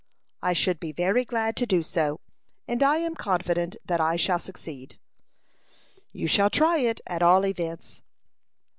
"I should be very glad to do so, and I am confident that I shall succeed." "You shall try it, at all events."